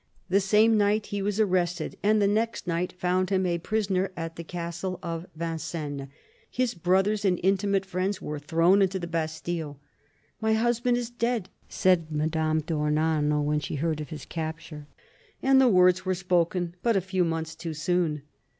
The same night he was arrested, and the next night found him a prisoner at the castle of Vincennes. His brothers and intimate friends were thrown into the Bastille. " My husband is dead," said Madame d'Ornano when she heard of his capture; and the words were spoken but a few months too soon.